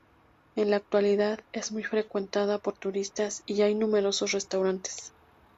En la actualidad es muy frecuentada por turistas y hay numerosos restaurantes.